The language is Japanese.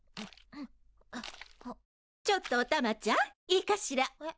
ちょっとおたまちゃんいいかしら？